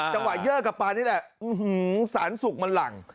จังหวะเยอร์กับปลานี่แหละสารสุกมันหลั่ง